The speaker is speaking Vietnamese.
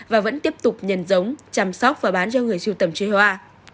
và vẫn tiếp tục nhần giống chăm sóc và bán cho người siêu tầm chơi hoa